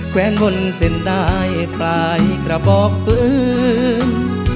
แว้นบนเส้นได้ปลายกระบอกปืน